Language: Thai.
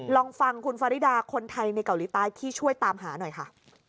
ลองฟังคุณฟาริดาคนไทยในเกาหลีใต้ที่ช่วยตามหาหน่อยค่ะ